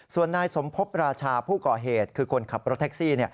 ส่วนนายสมพบราชาผู้ก่อเหตุคือคนขับรถแท็กซี่